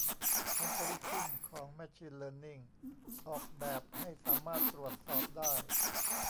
อัลกอรึทึ่มของแมชชีนเลินนิ่ง ออกแบบให้สามารถตรวจสอบได้